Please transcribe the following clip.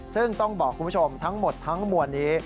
ซึ่งต้องบอกคุณผู้ชมทั้งหมดทั้งมวลนี้